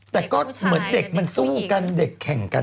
แต่ก็เหมือนเด็กมันสู้กันเด็กแข่งกัน